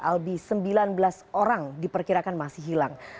albi sembilan belas orang diperkirakan masih hilang